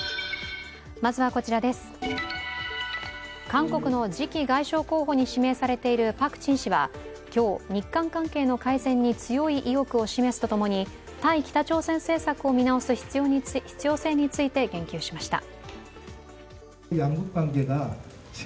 韓国の次期外相候補に指名されているパク・チン氏は今日日韓関係の改善に強い意欲を示すと共に対北朝鮮政策を見直す必要性について言及しました。